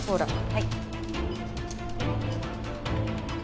はい。